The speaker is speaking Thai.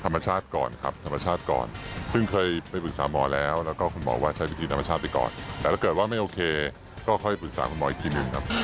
ธรรมชาติก่อนครับธรรมชาติก่อนซึ่งเคยไปปรึกษาหมอแล้วแล้วก็คุณหมอว่าใช้วิธีธรรมชาติไปก่อนแต่ถ้าเกิดว่าไม่โอเคก็ค่อยปรึกษาคุณหมออีกทีหนึ่งครับ